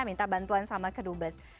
minta bantuan sama kedubes